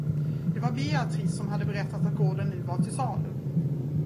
Det var Beatrice som hade berättat att gården nu var till salu.